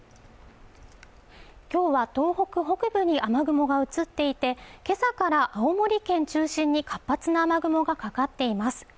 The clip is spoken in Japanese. きょうは東北北部に雨雲が移っていて今朝から青森県中心に活発な雨雲がかかっています